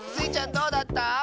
どうだった？